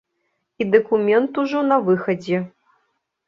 І дакумент ужо на выхадзе.